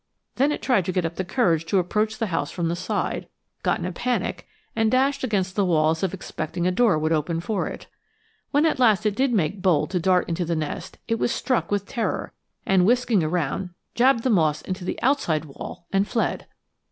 Then it tried to get up courage to approach the house from the side, got in a panic and dashed against the wall as if expecting a door would open for it. When at last it did make bold to dart into the nest it was struck with terror, and, whisking around, jabbed the moss into the outside wall and fled!